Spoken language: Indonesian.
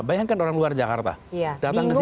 bayangkan orang luar jakarta datang ke sini